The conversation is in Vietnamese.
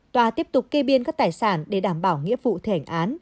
tòa tiếp tục kê biên các tài sản để đảm bảo nghĩa vụ thi hành án